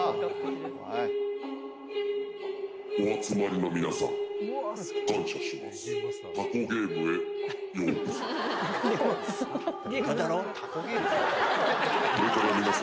お集りの皆さん、感謝します。